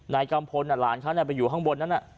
กัมพลหลานเขาไปอยู่ข้างบนนั้น